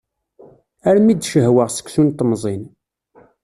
Armi d-cehwaɣ seksu n temẓin.